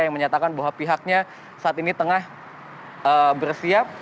yang menyatakan bahwa pihaknya saat ini tengah bersiap